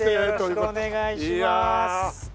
よろしくお願いします。